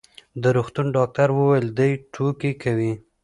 د روغتون ډاکټر وویل: دی ټوکې کوي.